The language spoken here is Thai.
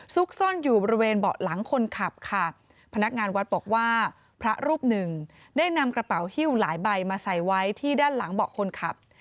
ซุกซ่อนอยู่บริเวณเบาะหลังคนขับค่ะพนักงานวัดบอกว่าพระรูปหนึ่งได้นำกระเป๋าฮิ้วหลายใบมาใส่ไว้ที่ด้านหลังเบาะคนขับ